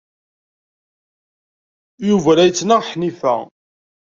Yuba la yettnaɣ Ḥnifa.